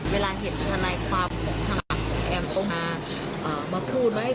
เวลาเห็นธนายความภูมิของแอมต้องมาสู้ไหม